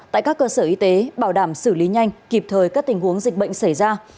tại các cơ sở y tế bảo đảm xử lý nhanh kịp thời các tình huống dịch bệnh xảy ra